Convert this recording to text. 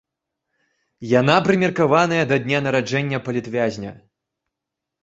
Яна прымеркаваная да дня нараджэння палітвязня.